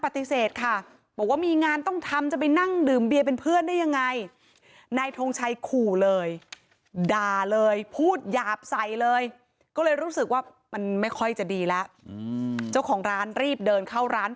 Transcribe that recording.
ถ้าตอนนั้นเธอไม่ตัดสินใจหนีเข้าร้าน